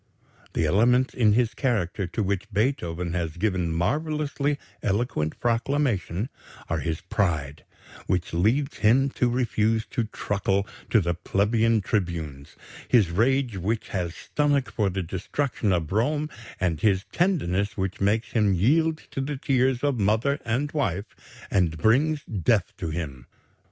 The elements in his character to which Beethoven has given marvellously eloquent proclamation are his pride, which leads him to refuse to truckle to the plebeian tribunes; his rage which had stomach for the destruction of Rome, and his tenderness which makes him yield to the tears of mother and wife and brings death to him.